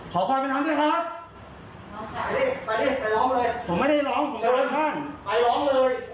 ขอความเป็นธรรมด้วยครับ